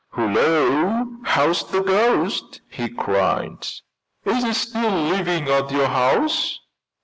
"Hullo! how's the ghost?" he cried. "Is it still living at your house?"